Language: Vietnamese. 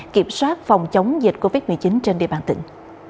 kiểm soát phòng chống dịch covid một mươi chín trên địa bàn tỉnh